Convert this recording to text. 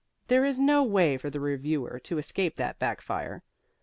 There is no way for the reviewer to escape that backfire.